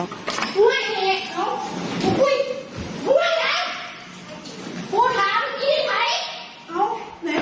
พูดหาเปล่าพี่นี่ไหน